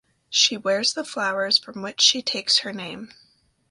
She wears the flowers from which she takes her name.